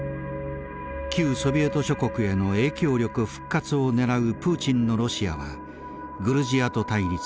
旧ソビエト諸国への影響力復活をねらうプーチンのロシアはグルジアと対立